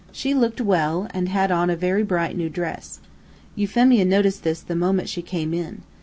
She looked well, and had on a very bright new dress. Euphemia noticed this the moment she came in.